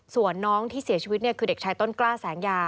ส่วนน้องที่เสียชีวิตคือเด็กชายต้นกล้าแสงยา